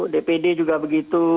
dpd juga begitu